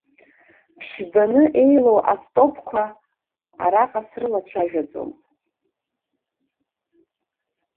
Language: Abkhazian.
Ԥшьбаны еилоу астопқәа араҟа срылацәажәаӡом.